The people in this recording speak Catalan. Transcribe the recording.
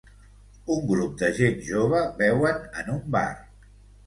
un grup de gent jove beuen en un bar.